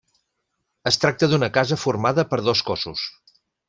Es tracta d'una casa formada per dos cossos.